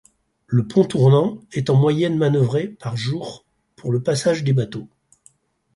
Le pont tournant est en moyenne manœuvré par jour, pour le passage des bateaux.